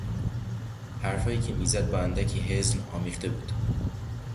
حرفهایی که میزد بااندکی حزن آمیخته بود.